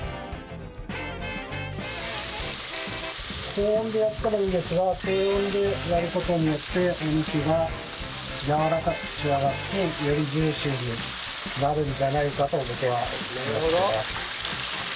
高温でやってもいいですが低温でやる事によってお肉がやわらかく仕上がってよりジューシーになるんじゃないかと僕は思ってます。